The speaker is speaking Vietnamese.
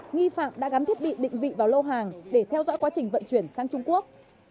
nghi phạm đã gắn thiết bị định vị vào lô hàng để theo dõi quá trình vận chuyển sang trung quốc